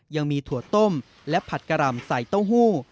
ถั่วต้มและผัดกะหล่ำใส่เต้าหู้